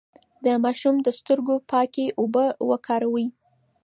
د ماشوم د سترګو پاکې اوبه وکاروئ.